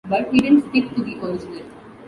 But, he didn't stick to the original.